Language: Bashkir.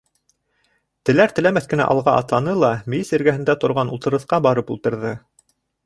Теләр-теләмәҫ кенә алға атланы ла мейес эргәһендә торған ултырғысҡа барып ултырҙы.